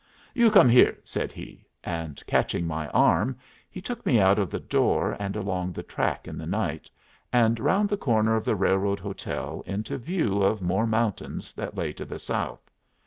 "You come here," said he; and, catching my arm, he took me out of the door and along the track in the night, and round the corner of the railroad hotel into view of more mountains that lay to the south.